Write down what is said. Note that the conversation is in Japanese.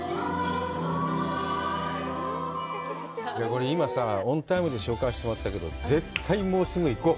これ今さあ、オンタイムで紹介してもらったけど、絶対、もうすぐ行こう！